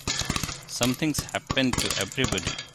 Something's happened to everybody.